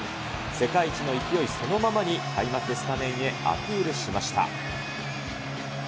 世界一の勢いそのままに、開幕スタメンへアピールしました。